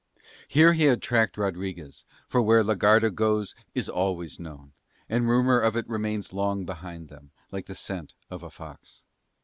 Here he had tracked Rodriguez, for where la Garda goes is always known, and rumour of it remains long behind them, like the scent of a fox.